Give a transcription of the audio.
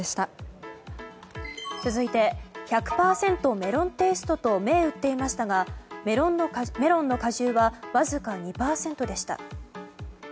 続いて１００％メロンテイストと銘打っていましたがメロンの果汁はわずか２％でした。